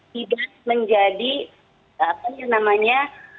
tidak menjadi apa namanya